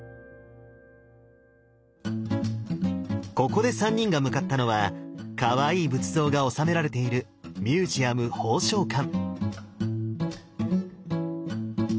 ここで三人が向かったのはかわいい仏像が収められているミュージアム鳳翔館。